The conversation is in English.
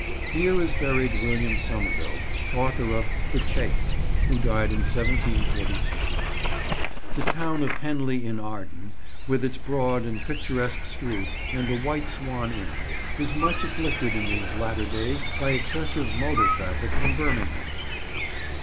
Here is buried William Somerville, author of The Chase, who died in 1742. The town of Henley in Arden, with its broad and picturesque street and the "White Swan" inn, is much afflicted in these latter days by excessive motor traffic from Birmingham.